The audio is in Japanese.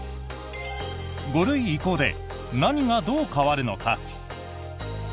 ５類移行で何が、どう変わるのか？